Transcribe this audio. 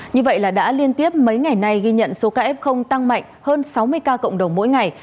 như vậy là đã liên tiếp mấy ngày nay ghi nhận số ca f tăng mạnh hơn sáu mươi ca cộng đồng mỗi ngày